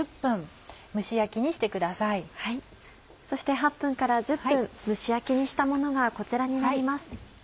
そして８分から１０分蒸し焼きにしたものがこちらになります。